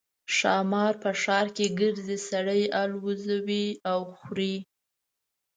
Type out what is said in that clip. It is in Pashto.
ښامار په ښار کې ګرځي سړي الوزوي او خوري.